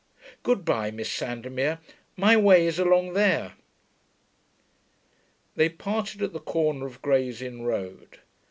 Good bye, Miss Sandomir: my way is along there.' They parted at the corner of Gray's Inn Road.